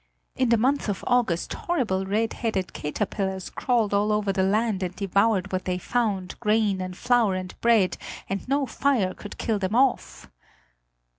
In the month of August horrible red headed caterpillars crawled all over the land and devoured what they found, grain and flour and bread, and no fire could kill them off."